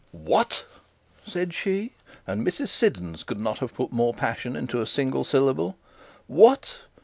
'What!' said she, and Mrs Siddons could not have put more passion into a single syllable, 'What!